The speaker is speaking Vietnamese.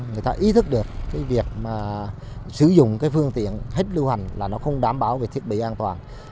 người ta ý thức được cái việc mà sử dụng cái phương tiện hết lưu hành là nó không đảm bảo về thiết bị an toàn